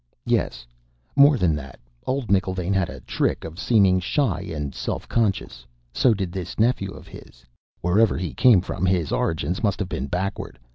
"Yes. More than that. Old McIlvaine had a trick of seeming shy and self conscious. So did this nephew of his. Wherever he came from, his origins must have been backward.